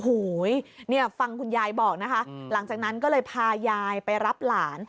โอ้โหเนี่ยฟังคุณยายบอกนะคะหลังจากนั้นก็เลยพายายไปรับหลาน